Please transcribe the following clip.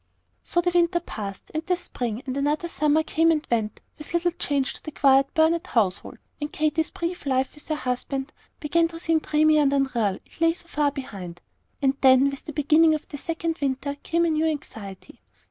So the winter passed, and the spring; and another summer came and went, with little change to the quiet Burnet household, and Katy's brief life with her husband began to seem dreamy and unreal, it lay so far behind. And then, with the beginning of the second winter came a new anxiety.